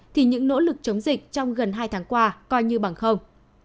thì những nỗ lực chống dịch trong gần hai tháng qua coi như bằng không